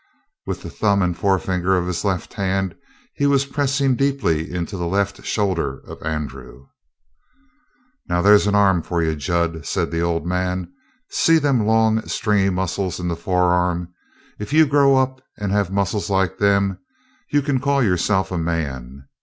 With the thumb and forefinger of his left hand he was pressing deeply into the left shoulder of Andrew. "Now, there's an arm for you, Jud," said the old man. "See them long, stringy muscles in the forearm? If you grow up and have muscles like them, you can call yourself a man.